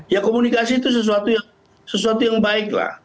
ya komunikasi itu sesuatu yang baik lah